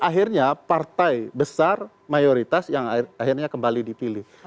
akhirnya partai besar mayoritas yang akhirnya kembali dipilih